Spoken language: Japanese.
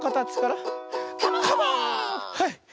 はい。